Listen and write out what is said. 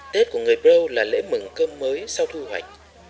tết của người bâu là lễ mừng cơm mới sau thu hoạch